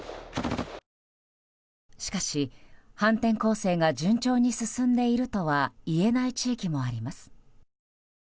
しかし、反転攻勢が順調に進んでいるとはいえない地域もあります。